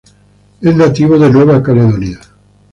Es nativo de Nueva Caledonia.